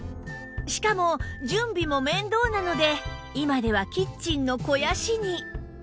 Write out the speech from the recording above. しかも準備も面倒なので今ではキッチンの肥やしに